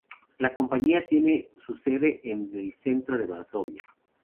La compañía tiene su sede en el centro de Varsovia.